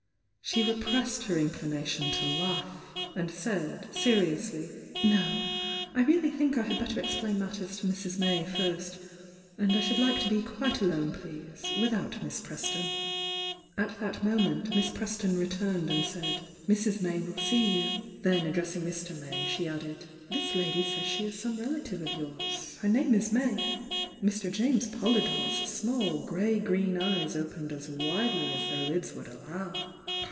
She repressed her inclination to laugh, and said, seriously: "No— I really think I had better explain matters to Mrs. May first— and I should like to be quite alone, please,— without Miss Preston." At that moment Miss Preston returned and said: "Mrs. May will see you." Then, addressing Mr. May, she added: "This lady says she is some rela tive of yours— her name is May." Mr. James Polydore's smaU grey green eyes opened as widely as their lids would allow.